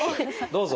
どうぞ。